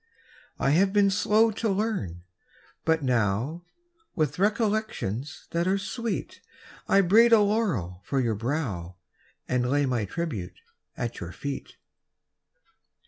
I have been slow to learn, but now, With recollections ■ that are sweet, I braid a laurel for your brow And lay my tribute at your eet.